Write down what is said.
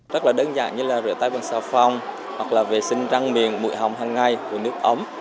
rất là đơn giản như là rửa tay bằng xào phong hoặc là vệ sinh răng miền mụi hồng hằng ngày uống nước ấm